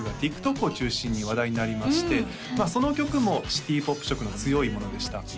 曲がＴｉｋＴｏｋを中心に話題になりましてその曲もシティポップ色の強いものでした